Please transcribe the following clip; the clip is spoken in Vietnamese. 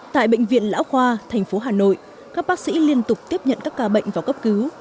tại bệnh viện lão khoa thành phố hà nội các bác sĩ liên tục tiếp nhận các ca bệnh vào cấp cứu